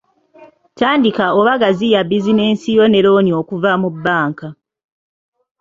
Tandika oba gaziya bizinensi yo ne looni okuva mu bbanka.